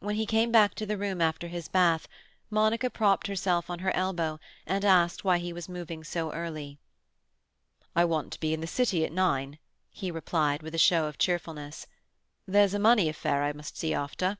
When he came back to the room after his bath, Monica propped herself on her elbow and asked why he was moving so early. "I want to be in the City at nine," he replied, with a show of cheerfulness. "There's a money affair I must see after."